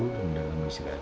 kemudian kamu isi kaki sayang